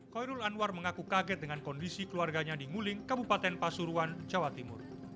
khoirul anwar mengaku kaget dengan kondisi keluarganya di nguling kabupaten pasuruan jawa timur